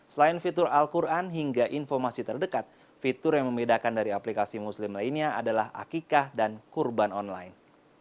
selain fitur al quran hingga informasi terdekat fitur yang membedakan dari aplikasi muslim lainnya adalah akikah dan kurban online